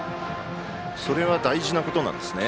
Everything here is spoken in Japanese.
それは大事なことなんですね。